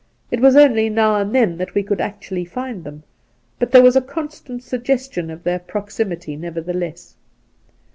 It was only now and then that we could actually find them ; but there was a constant suggestion of their proximity, never theless.